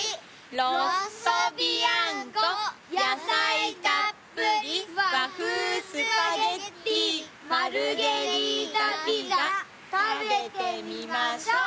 「ロッソビアンコ」「野菜たっぷり和風スパゲティ」「マルゲリータピザ」「食べてみましょ！」